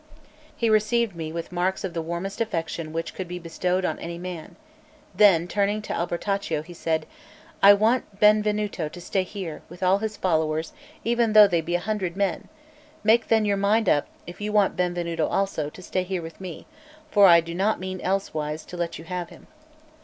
He received me with marks of the warmest affection which could be bestowed on any man; then turning to Albertaccio, he said: "I want Benvenuto to stay here, with all his followers, even though they be a hundred men; make then your mind up, if you want Benvenuto also, to stay here with me, for I do not mean elsewise to let you have him."